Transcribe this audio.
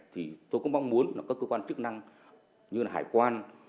thì tôi cũng mong muốn các cơ quan chức năng như hải quan